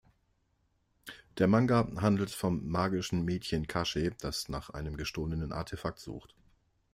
Der Manga handelt vom magischen Mädchen Kasche, das nach einem gestohlenen Artefakt sucht.